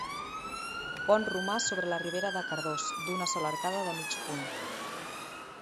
Pont romà sobre la Ribera de Cardós, d'una sola arcada de mig punt.